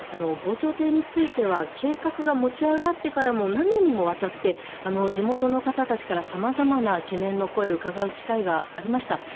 防潮堤については計画が持ち上がってからも何年にもわたって、地元の方たちからさまざまな懸念の声を伺う機会がありました。